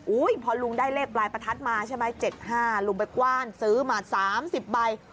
พอลุงได้เลขปลายประทัดมาใช่ไหม๗๕ลุงไปกว้านซื้อมา๓๐ใบ